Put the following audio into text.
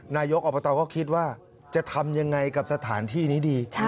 นายกอบตก็คิดว่าจะทำยังไงกับสถานที่นี้ดี